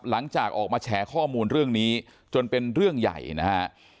หลังจากออกมาแฉข้อมูลเรื่องนี้จนเป็นเรื่องใหญ่นะฮะ